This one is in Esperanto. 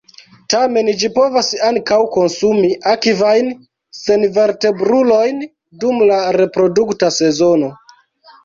Tamen ĝi povas ankaŭ konsumi akvajn senvertebrulojn dum la reprodukta sezono.